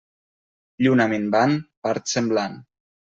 Lluna minvant, part semblant.